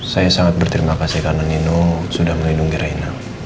saya sangat berterima kasih karena nino sudah melindungi raina